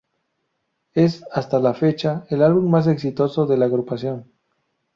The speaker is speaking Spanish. Es, hasta la fecha, el álbum más exitoso de la agrupación.